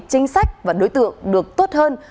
chính sách và đối tượng được tốt hơn